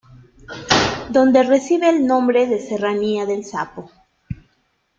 Donde recibe el nombre de serranía del Sapo.